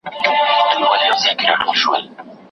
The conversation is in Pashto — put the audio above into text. هغه دومره دي ژوري ته منګول نه سې وروړلای